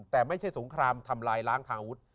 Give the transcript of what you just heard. แต่ไม่ใช่สงครามทำลายล้างทางอาวุธ